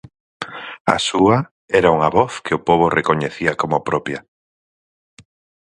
A súa era unha voz que o pobo recoñecía como propia.